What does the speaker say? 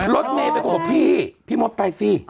รถเมฆไปก็บอกพี่พี่มดไปสิ